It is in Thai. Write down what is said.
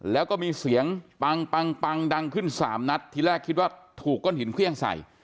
แล้วก็มีเสียงปังปังปังดังขึ้นสามนัดทีแรกคิดว่าถูกก้นหินเครื่องใส่